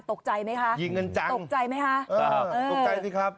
ตกใจไหมคะยิงกันจังตกใจไหมคะเออตกใจสิครับ